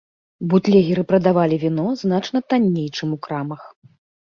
Бутлегеры прадавалі віно значна танней, чым у крамах.